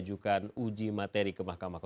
jangan ditanyakan lagi